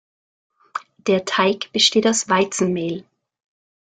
Der Teig besteht aus Weizenmehl.